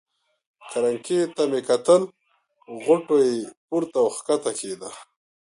کرنکې ته مې کتل، غوټو یې پورته او کښته کېده.